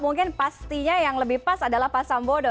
mungkin pastinya yang lebih pas adalah pak sambodo